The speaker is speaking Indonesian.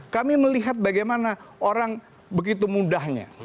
kami melihat bagaimana orang begitu mudahnya